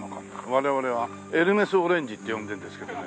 我々はエルメスオレンジって呼んでるんですけどね。